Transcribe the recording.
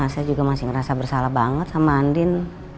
saya juga masih ngerasa bersalah banget sama andin